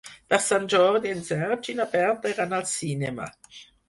Per Sant Jordi en Sergi i na Berta iran al cinema.